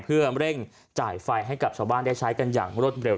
เพื่อเร่งจ่ายไฟให้กับชาวบ้านได้ใช้กันอย่างรวดเร็ว